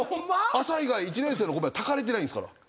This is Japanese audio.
朝以外１年生の米は炊かれてないんすから。